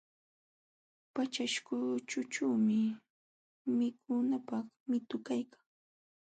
Paćhaśhkućhućhuumi mikunapaq mitu kaykan.